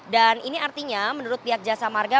dan ini artinya menurut pihak jasa marga